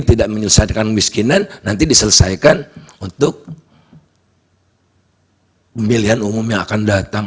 tidak menyelesaikan miskinan nanti diselesaikan untuk pemilihan umum yang akan datang